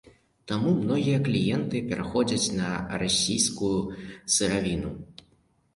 Таму многія кліенты пераходзяць на расійскую сыравіну.